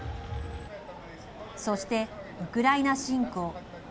そして、ウクライナ侵攻。